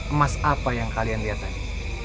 emas apa yang kalian lihat tadi